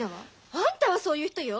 あんたはそういう人よ！